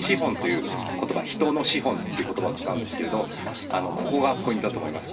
人的資本という言葉を使うんですけれども、ここがポイントだと思います。